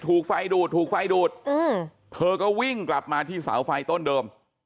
ถูกไฟดูดถูกไฟดูดเธอก็วิ่งกลับมาที่เสาไฟต้นเดิม